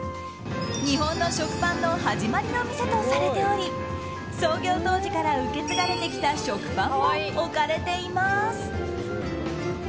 日本の食パンの始まりの店とされており創業当時から受け継がれてきた食パンも置かれています。